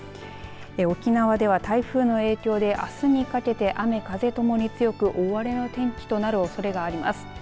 沖縄では台風の影響で、あすにかけて雨風ともに強く大荒れの天気となるおそれがあります。